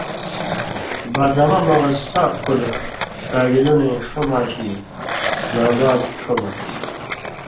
باداماں مغز سات کُلہۡ ، کاگِلُنئی ݜو ماشی ، ناݩبات ݜو ماشی ۔